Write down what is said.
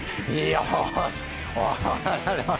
よし。